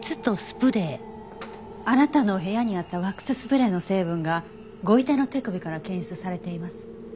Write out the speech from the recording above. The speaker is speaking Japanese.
あなたの部屋にあったワックススプレーの成分がご遺体の手首から検出されています。